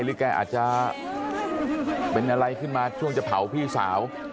แกอาจจะเป็นอะไรขึ้นมาช่วงจะเผาพี่สาว